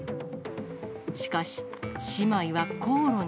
しかし、姉妹は口論に。